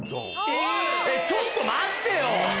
えっちょっと待ってよ！